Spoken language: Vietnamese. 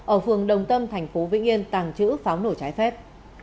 ở phường đồng tâm tp vn tàng trữ pháo nổ trái phép